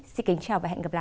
xin kính chào và hẹn gặp lại